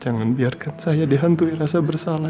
jangan biarkan saya dihantui rasa bersalah